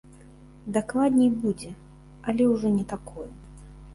Дакладней будзе, але ўжо не такое.